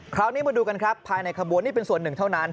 คราวนี้มาดูกันครับภายในขบวนนี่เป็นส่วนหนึ่งเท่านั้น